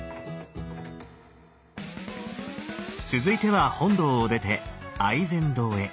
続いては本堂を出て愛染堂へ。